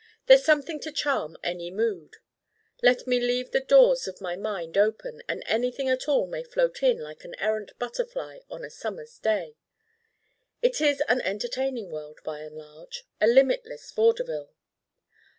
There's something to charm any mood. Let me leave the doors of my mind open and anything at all may float in like an errant butterfly on a summer's day. It is an entertaining world, by and large: a limitless vaudeville.